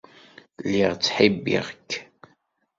Lliɣ ttḥibbiɣ-k.